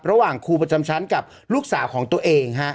ระหว่างครูประจำชั้นกับลูกสาวของตัวเอง